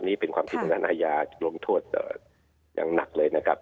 นี่เป็นความที่ต้องการอาญาลงโทษอย่างหนักเลย